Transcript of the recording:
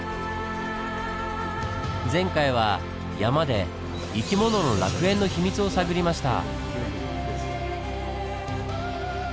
前回は山で生き物の楽園の秘密を探りました。